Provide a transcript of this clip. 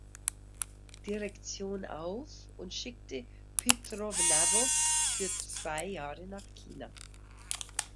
Direktion auf und schickte Pitowranow für zwei Jahre nach China.